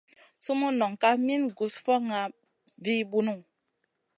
Sumun non kaf min gus fokŋa vi bunu.